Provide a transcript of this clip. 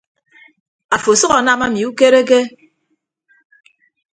Afo asʌk anam ami ukereke.